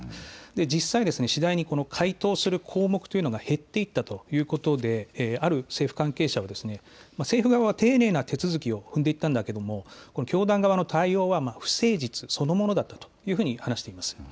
実際、次第に回答する項目というのが減っていったということである政府関係者は政府側は丁寧な手続きを踏んでいったんたけれども教団側の対応は不誠実そのものだったというふうに話しています。